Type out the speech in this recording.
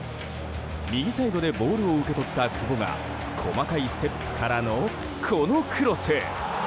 右サイドでボールを受け取った久保が細かいステップからのこのクロス！